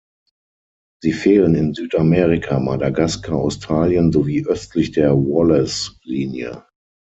Sie fehlen in Südamerika, Madagaskar, Australien sowie östlich der Wallace-Linie.